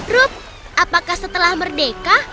ruk apakah setelah merdeka